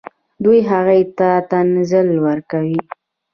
دوی هغوی ته تنزل ورکوي.